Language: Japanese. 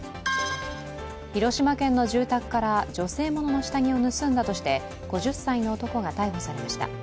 広島県の住宅から女性ものの下着を盗んだとして５０歳の男が逮捕されました。